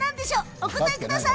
お答えください。